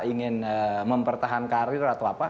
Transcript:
ingin mempertahan karir atau apa